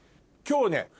今日ね。